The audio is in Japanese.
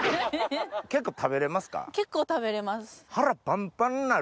結構食べれますか？